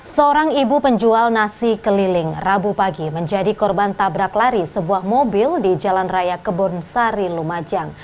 seorang ibu penjual nasi keliling rabu pagi menjadi korban tabrak lari sebuah mobil di jalan raya kebun sari lumajang